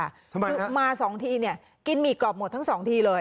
คือมา๒ทีเนี่ยกินหมี่กรอบหมดทั้งสองทีเลย